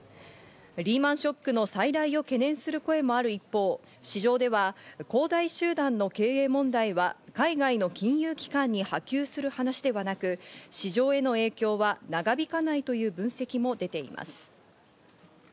リーマン・ショックの再来を懸念する声もある一方、市場では恒大集団の経営問題は海外の金融機関に波及する話ではなく、市場への影響は長引かないという分析も出ています。